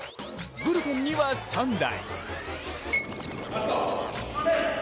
ブルペンには３台。